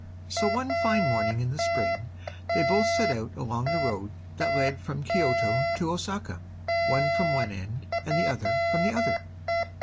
So one fine morning in the spring they both set out along the road that led from Kioto to Osaka, one from one end and the other from the other.